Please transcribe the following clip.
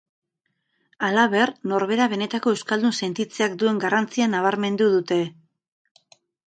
Halaber, norbera benetako euskaldun sentitzeak duen garrantzia nabarmendu dute.